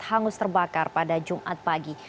hangus terbakar pada jumat pagi